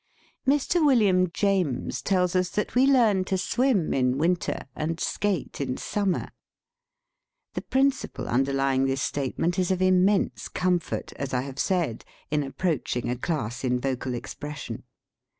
Mr. William James tells us that we learn to swim in winter and skate in summer. The principle underlying this statement is of im 80 STUDY IN TONE COLOR mense comfort, as I have said, in approach ing a class in vocal expression.